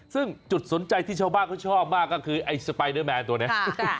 ซึ่งจุดสนใจที่ชาวบ้านเขาชอบมากก็คือไอ้สไปเดอร์แมนตัวนี้